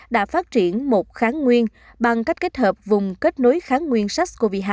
đã phát triển một kháng nguyên bằng cách kết hợp vùng kết nối kháng nguyên sars cov hai